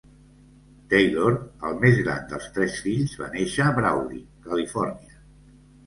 Taylor, el més gran dels tres fills, va néixer a Brawley, Califòrnia.